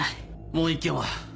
もう１件は？